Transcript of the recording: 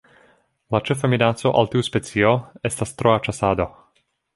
La ĉefa minaco al tiu specio estas troa ĉasado.